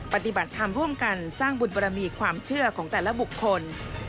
ปฏิบัติธรรมร่วมกันสร้างบุญบรมีความเชื่อของแต่ละบุคคล